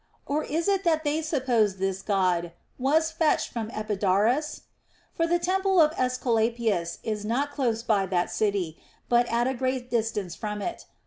Or is it that they suppose this God was fetched from Epidaurus1? For the temple of Aesculapius is not close by that city, but at a great distance from it.